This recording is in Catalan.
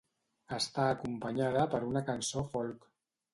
Està acompanyada per una cançó folk.